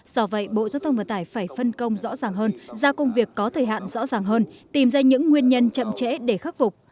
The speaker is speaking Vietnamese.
do vậy bộ giao thông vận tải phải phân công rõ ràng hơn ra công việc có thời hạn rõ ràng hơn tìm ra những nguyên nhân chậm trễ để khắc phục